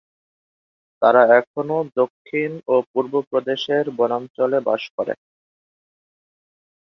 তারা এখনও দক্ষিণ এবং পূর্ব প্রদেশের বনাঞ্চলে বাস করে।